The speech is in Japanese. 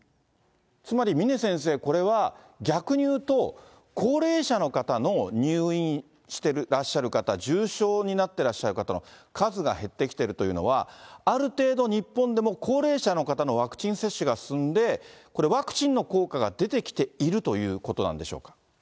つまり峰先生、これは逆に言うと、高齢者の方の入院してらっしゃる方、重症になってらっしゃる方の数が減ってきているというのは、ある程度、日本でも高齢者の方のワクチン接種が進んで、これ、ワクチンの効果が出てきているということなんでしょうか。